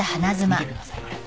見てくださいこれ。